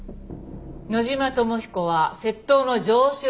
野島友彦は窃盗の常習犯。